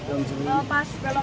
pas beloknya itu